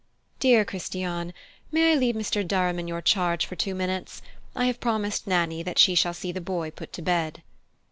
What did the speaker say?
"Dear Christiane, may I leave Mr. Durham in your charge for two minutes? I have promised Nannie that she shall see the boy put to bed."